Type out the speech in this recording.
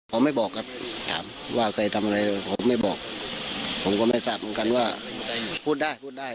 ผมไม่บอกครับถามว่าใครทำอะไรผมไม่บอกผมก็ไม่ทราบเหมือนกันว่าพูดได้พูดได้